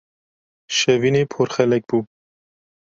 Şevînê porxelek bû.